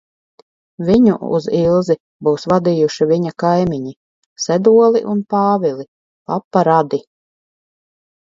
Viņu uz Ilzi būs vadījuši viņa kaimiņi, Sedoli un Pāvili, papa radi.